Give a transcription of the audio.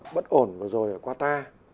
bất ổn vừa rồi ở qua ta